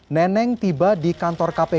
neneng tiba di kantor kpk